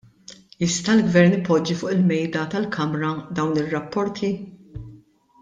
Jista' l-gvern ipoġġi fuq il-Mejda tal-Kamra dawn ir-rapporti?